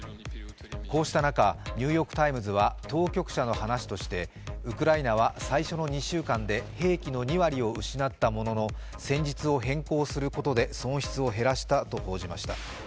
こうした中、「ニューヨーク・タイムズ」は当局者の話として最初の２週間で兵器の２割を失ったものの戦術を変更することで損失を減らしたと報じました。